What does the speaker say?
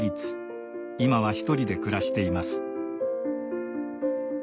今はひとりで暮らしています。